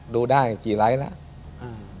ดูได้กี่ไลค์แล้ว